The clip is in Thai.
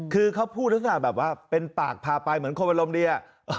คือเขาพูดภาษาแบบว่าเป็นป้ากพาไปเหมือนคนบรรลมดี